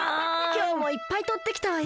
きょうもいっぱいとってきたわよ。